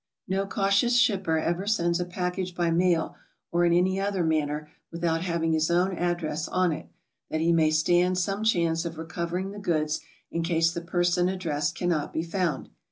No cautious shipper ever sends a package by mail or in any other manner without having his own ad dress on it, that he may stand some chance of recovering the goods in case the person addressed cannot be found.